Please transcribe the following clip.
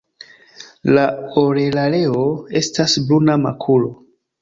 La orelareo estas bruna makulo.